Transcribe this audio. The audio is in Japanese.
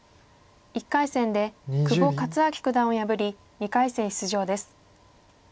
１回戦で久保勝昭九段を破り２回戦出場です。